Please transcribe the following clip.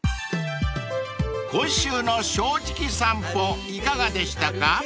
［今週の『正直さんぽ』いかがでしたか？］